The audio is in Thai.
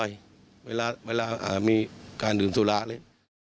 อาจจะมีอารมณ์ที่แรงร้อนสักหน่อยโดยเวลาอาจมีการดื่มสุราคมเลย